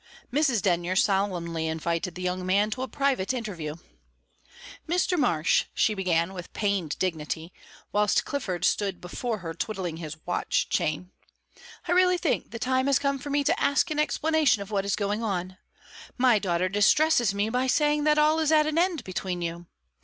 Mrs. Denyer solemnly invited the young man to a private interview. "Mr. Marsh," she began, with pained dignity, whilst Clifford stood before her twiddling his watch chain, "I really think the time has come for me to ask an explanation of what is going on. My daughter distresses me by saying that all is at an end between you.